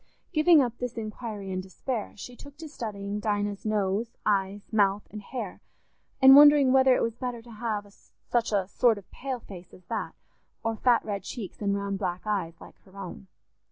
Giving up this inquiry in despair, she took to studying Dinah's nose, eyes, mouth, and hair, and wondering whether it was better to have such a sort of pale face as that, or fat red cheeks and round black eyes like her own.